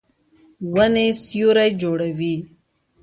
ونې سیوری جوړوي